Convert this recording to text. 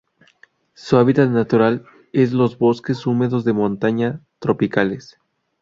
Su hábitat natural es los bosques húmedos de montaña tropicales.